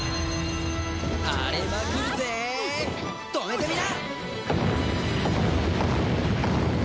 荒れまくるぜ止めてみな！